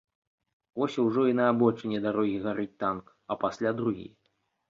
Вось ужо і на абочыне дарогі гарыць танк, а пасля другі.